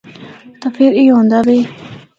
تے فر اے ہوندا وے۔